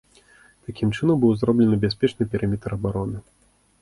Такім чынам быў зроблены бяспечны перыметр абароны.